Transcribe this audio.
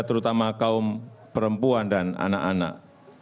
terutama kaum perempuan dan anak anak